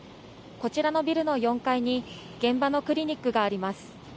こちらのビルの４階に現場のクリニックがあります。